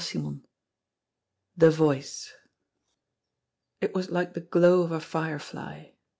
XVIII THE VOICE IT was like the glow of a firefly.